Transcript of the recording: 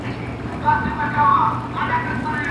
آیا د ټولني اړتیاوې د یوې ټولني د پرمختګ لپاره مهمې دي؟